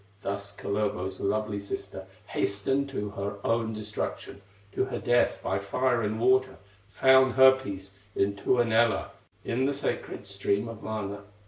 Thus Kullervo's lovely sister Hastened to her own destruction, To her death by fire and water, Found her peace in Tuonela, In the sacred stream of Mana.